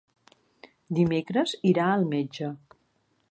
Dimecres irà al metge.